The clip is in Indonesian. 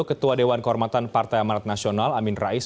ketua dewan kehormatan partai amarat nasional amin rais